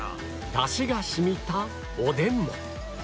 出汁が染みたおでんも